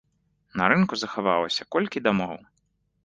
На рынку захавалася колькі дамоў.